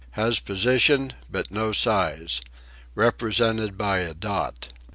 Has position but no size. Represented by a dot.